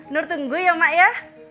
nur tunggu ya mak ya